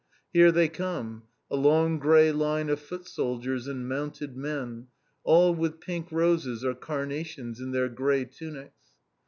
Here they come, a long grey line of foot soldiers and mounted men, all with pink roses or carnations in their grey tunics.